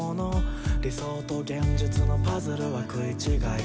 「理想と現実のパズルは食い違い」